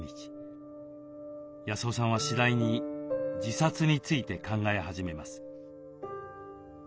康雄さんは次第に自殺について考え始めます。